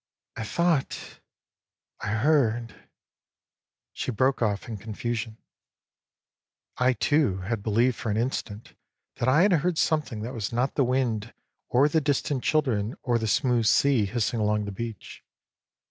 " I thought I heard " She broke off in confusion. I, too, had believed for an instant that I had heard something that was not the wind or the distant children or the smooth sea hissing along the beach.